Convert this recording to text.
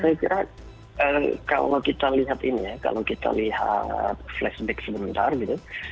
saya kira kalau kita lihat ini ya kalau kita lihat flashback sebentar gitu